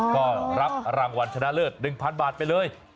ก็รับรางวัลชนะเลิศ๑๐๐๐บาทไปเลย